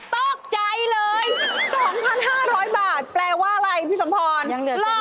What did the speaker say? ตกใจเลย๒๕๐๐บาทแปลว่าอะไรพี่สมพรหล่อมากเลยค่ะ